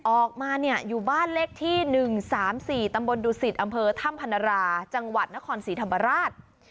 ออกมาเนี่ยอยู่บ้านเลขที่๑๓๔ตำบลดุสิตอำเภอถ้ำพนราจังหวัดนครศรีธรรมราช